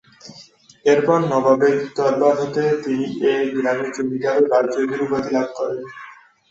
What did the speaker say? এরপর নবাবের দরবার হতে তিনি এই গ্রামের জমিদারী ও রায়চৌধুরী উপাধি লাভ করেন।